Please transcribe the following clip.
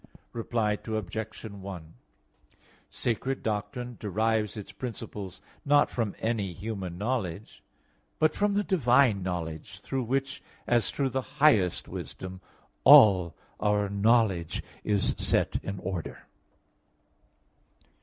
Reply Obj. 1: Sacred doctrine derives its principles not from any human knowledge, but from the divine knowledge, through which, as through the highest wisdom, all our knowledge is set in order.